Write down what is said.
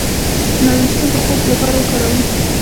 د نارنج ګل د خوب لپاره وکاروئ